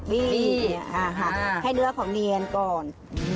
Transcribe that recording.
บี้ให้เนื้อเขาเนียนก่อน